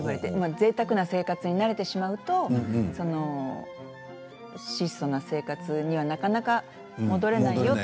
ぜいたくな生活をしていると質素な生活にはなかなか戻れないよって。